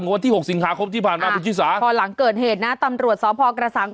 กว่าวันที่หกสิบหาคมที่ผ่านมาบิจิษฐาพอหลังเกิดเหตุนะตำรวจสอบพอกระสัง